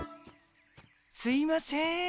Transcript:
すいません。